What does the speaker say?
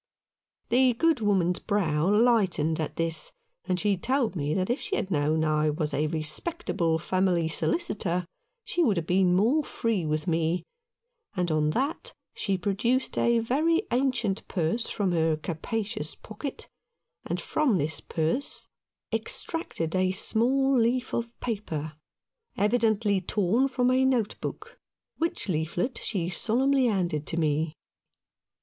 The good woman's brow lightened at this, and she told me that if she had known I was a respectable family solicitor she would have been more free with me, and on that she produced a very ancient purse from her capacious pocket, and from this purse extracted a small leaf of paper, evidently torn from a note book, which leaflet she solemnly handed to me.